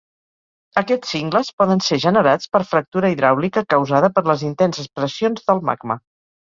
Aquests cingles poden ser generats per fractura hidràulica causada per les intenses pressions del magma.